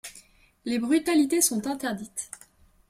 Les brutalités sont interdites.